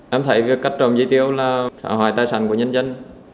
em thấy việc cắt trộm dây tiêu là xã hội tài sản của nhân dân